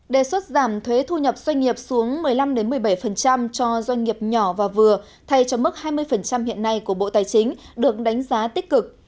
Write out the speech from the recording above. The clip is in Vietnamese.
đề xuất giảm thuế thu nhập doanh nghiệp xuống một mươi năm một mươi bảy cho doanh nghiệp nhỏ và vừa thay cho mức hai mươi hiện nay của bộ tài chính được đánh giá tích cực